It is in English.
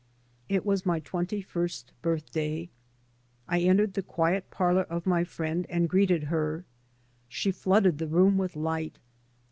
It was my twenty first birthday. I entered the quiet parlour of my friend and greeted her. She flooded the room with light.